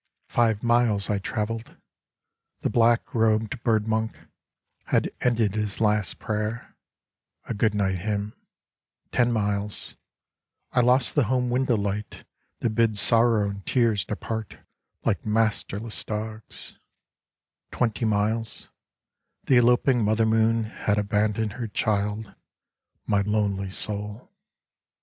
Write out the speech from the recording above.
Five miles I travelled — the black robed bird monk had ended his last prayer, a good night hymn ; Ten miles, — I lost the home window light that bids Sorrow and Tears depart like masterless dogs ; Twenty miles, — the eloping mother moon had abandoned her child, my lonely soul.